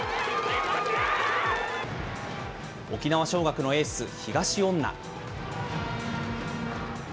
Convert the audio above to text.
沖縄尚学のエース、東恩納。